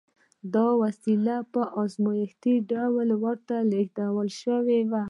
دا وسيله په ازمايښتي ډول ورته را لېږل شوې وه.